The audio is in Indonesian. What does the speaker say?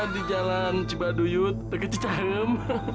di jalan cibaduyut tege cicahem